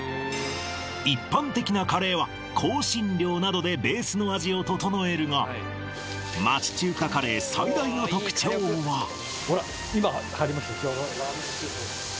一般的なカレーは香辛料などでベースの味を調えるが町中華カレー最大の特徴はほら